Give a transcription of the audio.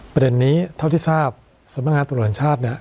ประเด็นนี้เท่าที่ทราบสมัครตลอดินชาติเนี่ย